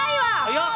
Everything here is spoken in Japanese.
早っ！